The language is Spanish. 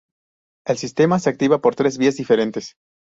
El sistema se activa por tres vías diferentes.